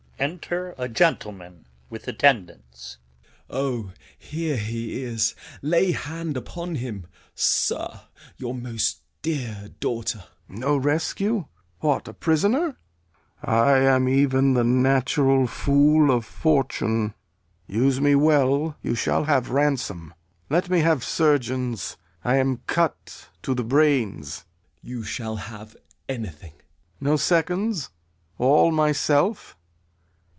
Enter a Gentleman [with Attendants]. Gent. O, here he is! Lay hand upon him. Sir, Your most dear daughter Lear. No rescue? What, a prisoner? I am even The natural fool of fortune. Use me well; You shall have ransom. Let me have a surgeon; I am cut to th' brains. Gent. You shall have anything. Lear. No seconds? All myself?